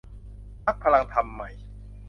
พรรคพลังธรรมใหม่